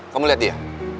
kamu lihat dia